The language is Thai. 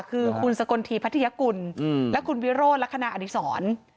คือคุณสกลทีพัทธิยกุลและคุณวิโรนและคณะอดิษร